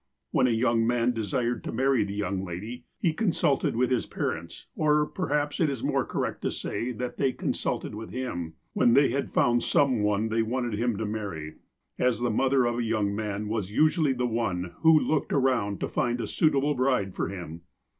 When a youug man desired to marry the youug lady, he consulted with his parents, or perhaps it is more correct to say that they consulted with him when they had found some one they wanted him to marry, as the mother of a young man was usually the one who looked around to find a suitable bride for him.